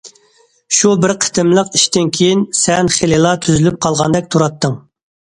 شۇ بىر قېتىملىق ئىشتىن كېيىن سەن خېلىلا تۈزىلىپ قالغاندەك تۇراتتىڭ.